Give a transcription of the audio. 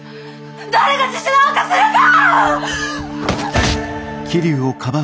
誰が自首なんかするか！